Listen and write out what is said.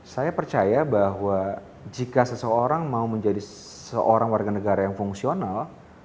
saya percaya bahwa jika seseorang mau menjadi seorang warga negara yang fungsional